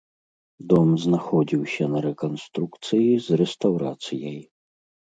Дом знаходзіўся на рэканструкцыі з рэстаўрацыяй.